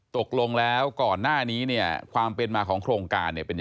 ตกลงแล้วก่อนหน้านี้เนี่ยความเป็นมาของโครงการเนี่ยเป็นยังไง